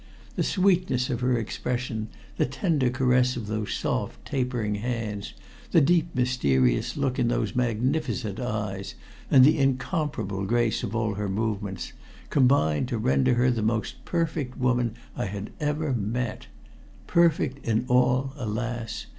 The sweetness of her expression, the tender caress of those soft, tapering hands, the deep mysterious look in those magnificent eyes, and the incomparable grace of all her movements, combined to render her the most perfect woman I had ever met perfect in all, alas!